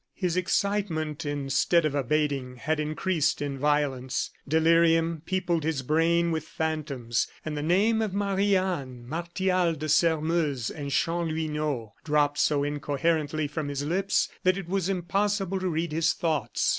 His excitement instead of abating had increased in violence. Delirium peopled his brain with phantoms; and the name of Marie Anne, Martial de Sairmeuse and Chanlouineau dropped so incoherently from his lips that it was impossible to read his thoughts.